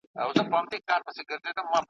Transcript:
او پیسې یې ترلاسه کولې `